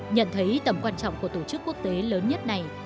nhận thấy tầm quan trọng của tổ chức quốc tế lớn nhất này